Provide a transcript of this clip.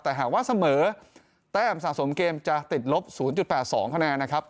แต่หากว่าเสมอแต้มสะสมเกมจะติดลบ๐๘๒คะแนนนะครับ